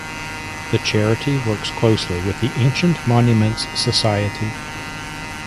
The charity works closely with the Ancient Monuments Society.